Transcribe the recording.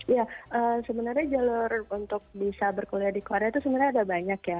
ya sebenarnya jalur untuk bisa berkuliah di korea itu sebenarnya ada banyak ya